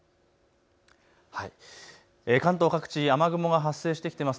関東各地、雨雲が発生してきています。